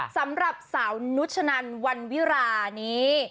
สำหรับสาวนุชนันวันวิรานี้